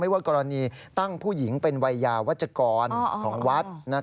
ว่ากรณีตั้งผู้หญิงเป็นวัยยาวัชกรของวัด